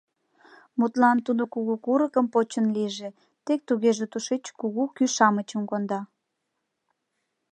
Мутлан, тудо кугу курыкым почын лийже, тек тугеже тушеч кугу кӱ-шамычым конда.